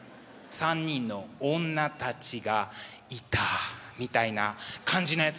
「３人の女たちがいた」みたいな感じのやつね。